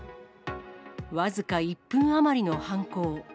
僅か１分余りの犯行。